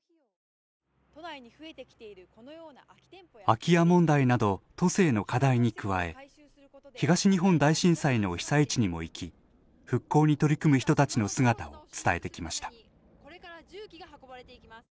空き家問題など都政の課題に加え東日本大震災の被災地にも行き復興に取り組む人たちの姿を伝えてきました。